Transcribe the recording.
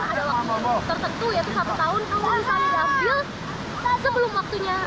ada waktu tertentu yaitu satu tahun kalau bisa diambil sebelum waktunya